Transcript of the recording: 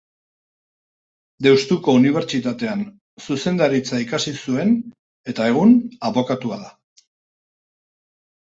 Deustuko Unibertsitatean zuzendaritza ikasi zuen eta egun abokatua da.